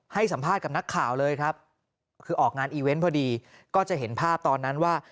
ให้สัมภาษณ์กับนักข่าวเลยครับคือออกงานอีเวนต์พอดีก็จะเห็นภาพตอนนั้นว่า